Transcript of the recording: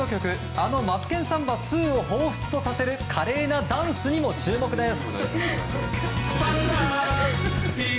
あの「マツケンサンバ２」をほうふつとさせる華麗なダンスにも注目です。